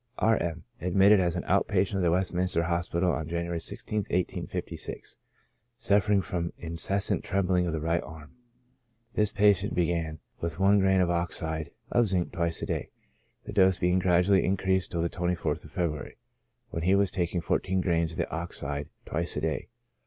R. M —, admitted as an out patient of the Westminster Hospital, on January i6th, 1856, suffering from incessant trembling of the right arm. This patient began with one grain of oxide of zinc twice a day, the dose being gradually increased till the 24th of February, when he was taking four teen grains of the oxide twice a day.